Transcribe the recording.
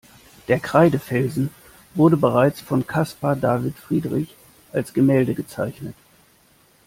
Der Kreidefelsen wurde bereits von Caspar David Friedrich als Gemälde gezeichnet.